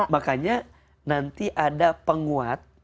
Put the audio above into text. makanya nanti ada penguat